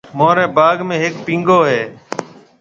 مهوريَ باگ ۾ هيَڪ پينگو هيَ۔